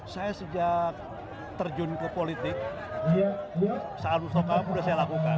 saya sejak terjun ke politik saan mustofakap udah saya lakukan